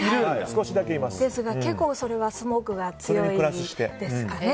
ですが、結構それはスモークが強いですかね。